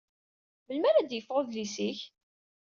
Melmi ara d-yeffeɣ udlis-ik?